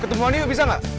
ketemuannya udah bisa gak